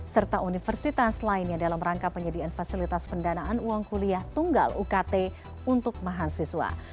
serta universitas lainnya dalam rangka penyediaan fasilitas pendanaan uang kuliah tunggal ukt untuk mahasiswa